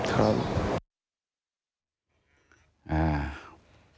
ครับ